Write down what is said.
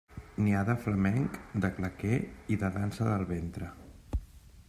N'hi ha de flamenc, de claqué i de dansa del ventre.